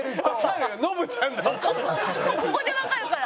ここでわかるから。